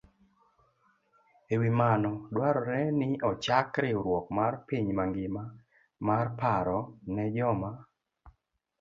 E wi mano, dwarore ni ochak riwruok mar piny mangima mar paro ne joma